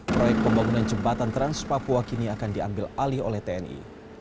proyek pembangunan jembatan trans papua kini akan diambil alih oleh tni